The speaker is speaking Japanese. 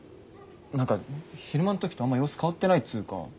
何か昼間の時とあんま様子変わってないっつうか。